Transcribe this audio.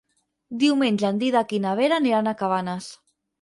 Diumenge en Dídac i na Vera aniran a Cabanes.